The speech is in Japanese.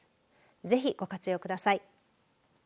ぜひご活用ください。